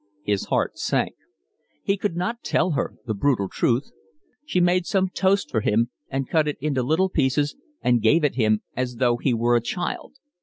His heart sank. He could not tell her the brutal truth. She made some toast for him, and cut it into little pieces, and gave it him as though he were a child.